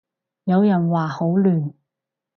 有人話好亂